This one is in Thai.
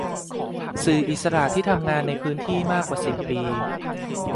สื่ออิสระที่ทำงานในพื้นที่มามากกว่าสิบปี